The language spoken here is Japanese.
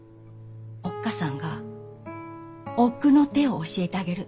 おっ母さんが奥の手を教えてあげる。